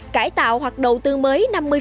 cải tạo hoặc đầu tư mới